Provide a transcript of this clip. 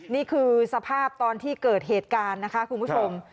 นี่คือสภาพตอนที่เกิดเหตุการณ์นะคะคุณผู้ชม